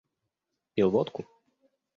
Пил водку?